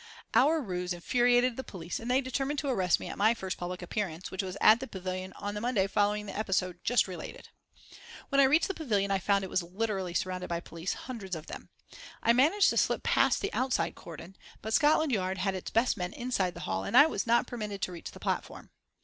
Our ruse infuriated the police, and they determined to arrest me at my first public appearance, which was at the Pavillion on the Monday following the episode just related. When I reached the Pavillion I found it literally surrounded by police, hundreds of them. I managed to slip past the outside cordon, but Scotland Yard had its best men inside the hall, and I was not permitted to reach the platform.